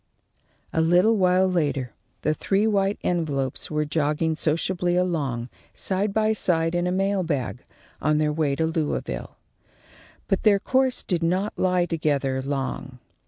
A little while later the three white envelopes were jogging sociably along, side by side in a mail bag, on their way to Louisville. But their course did not lie together long.